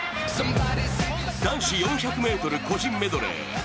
男子４００ｍ個人メドレー。